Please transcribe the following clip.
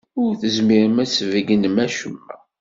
Ur tezmirem ad sbeggnem acemma.